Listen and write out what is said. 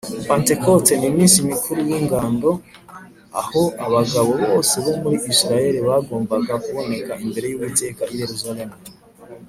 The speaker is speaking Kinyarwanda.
Pantekote, n’Iminsi mikuru y’Ingando, aho abagabo bose bo muri Isiraheli bagombaga kuboneka imbere y’Uwiteka i Yerusalemu.